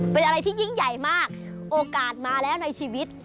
เป็นอะไรที่ยิ่งใหญ่มากโอกาสมาแล้วในชีวิต